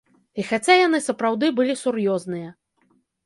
Хаця яны сапраўды былі сур'ёзныя.